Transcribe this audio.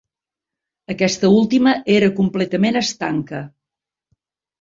Aquesta última era completament estanca.